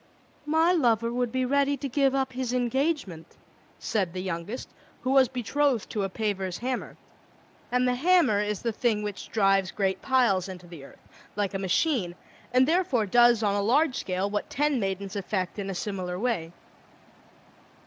"My lover would be ready to give up his engagement," said the youngest, who was betrothed to a paver's hammer; and the hammer is the thing which drives great piles into the earth, like a machine, and therefore does on a large scale what ten maidens effect in a similar way.